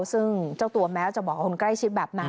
ซึ่งเจ้าตัวแม้จะบอกกับคนใกล้ชิดแบบนั้น